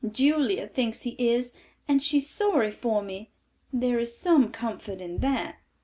Julia thinks he is, and she is sorry for me, there is some comfort in that."